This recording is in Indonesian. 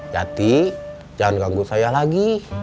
ya teh jangan ganggu saya lagi